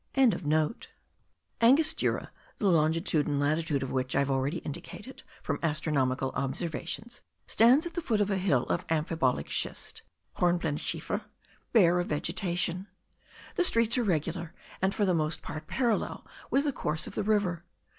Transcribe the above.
Angostura, the longitude and latitude of which I have already indicated from astronomical observations, stands at the foot of a hill of amphibolic schist* bare of vegetation. (* Hornblendschiefer.) The streets are regular, and for the most part parallel with the course of the river.